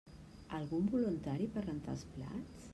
Algun voluntari per rentar els plats?